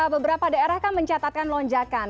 beberapa daerah kan mencatatkan lonjakan